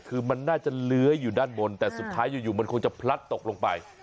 คือมันน่าจะเลื้อยอยู่ด้านบนแต่สุดท้ายอยู่มันคงจะพลัดตกลงไป